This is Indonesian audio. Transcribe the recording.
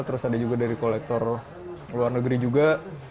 terus ada juga dari kolektor luar negeri juga